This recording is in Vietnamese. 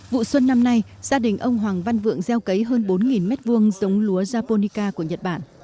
vụ xuân năm nay gia đình ông hoàng văn vượng gieo cấy hơn bốn m hai giống lúa japonica của nhật bản